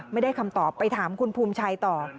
ไม่ได้คำตอบไปถามคุณภูมิชัยต่อ